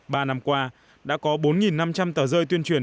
ba năm qua đã có bốn năm trăm linh tờ rơi tuyên truyền